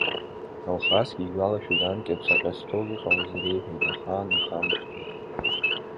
Алхасгьы игәалашәеит анкьа Цаҟьазҭоу иҟалаз, иреиҳәеит ахаан ихамышҭуаз…